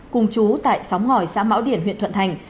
cùng chú tại sóng ngòi xã mão điển huyện thuận thành